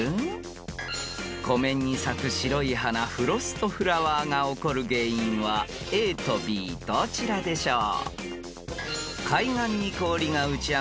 ［湖面に咲く白い花フロストフラワーが起こる原因はＡとＢどちらでしょう？］